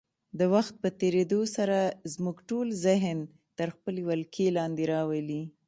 د وخت په تېرېدو سره زموږ ټول ذهن تر خپلې ولکې لاندې راولي.